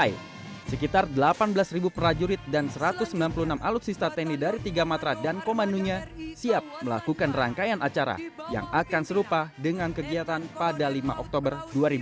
sekitar delapan belas prajurit dan satu ratus sembilan puluh enam alutsista tni dari tiga matra dan komandonya siap melakukan rangkaian acara yang akan serupa dengan kegiatan pada lima oktober dua ribu dua puluh